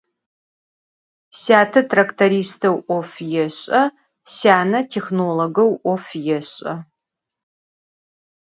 Syate traktoristeu 'of yêş'e, syane têxnologeu 'of yêş'e.